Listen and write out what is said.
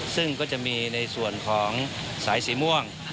ซึ่งก็จะมีในส่วนของสายสีม่วง